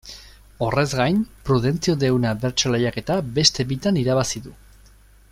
Horrez gain, Prudentzio Deuna bertso lehiaketa beste bitan irabazi du.